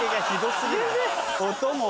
音も。